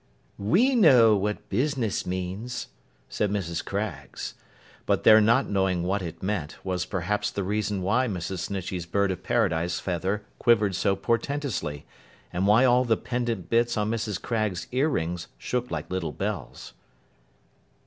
'We know what business means,' said Mrs. Craggs. But their not knowing what it meant, was perhaps the reason why Mrs. Snitchey's Bird of Paradise feather quivered so portentously, and why all the pendant bits on Mrs. Craggs's ear rings shook like little bells.